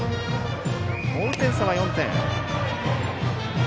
追う点差は４点。